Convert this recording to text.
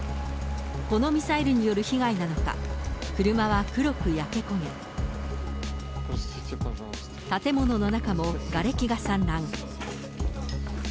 このミサイルによる被害なのか、車は黒く焼け焦げ、建物の中もがれきが散乱。